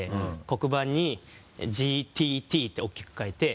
黒板に「ＧＴＴ」って大きく書いて。